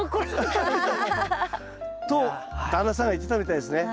と旦那さんが言ってたみたいですね。